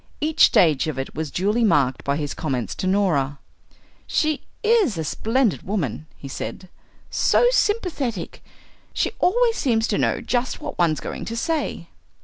Each stage of it was duly marked by his comments to Norah. "She is a splendid woman," he said, "so sympathetic. She always seems to know just what one's going to say."